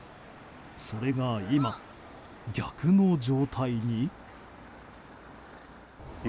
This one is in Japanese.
それが今、逆の状態に。